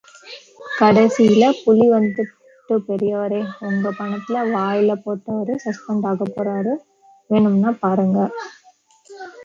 கடைசியில புலி வந்துட்டுப் பெரியவரே... ஒங்கப் பணத்தை வாயில போட்டவரு சஸ்பெண்ட் ஆகப்போறாரு... வேணுமுன்னா பாருங்க.